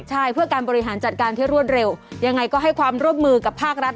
ใช่เพื่อการบริหารจัดการที่รวดเร็วยังไงก็ให้ความร่วมมือกับภาครัฐ